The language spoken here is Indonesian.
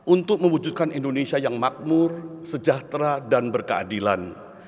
untuk mewujudkan indonesia yang makmur sejahtera dan berkeadilan